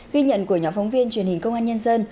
ghi nhận của nhóm phóng viên truyền hình công an nhân dân